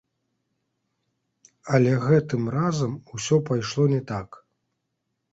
Але гэтым разам усё пайшло не так.